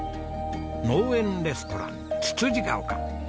農園レストランつつじヶ丘。